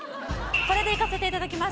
これでいかせていただきます